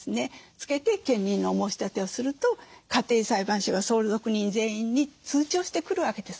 つけて検認の申し立てをすると家庭裁判所が相続人全員に通知をしてくるわけです。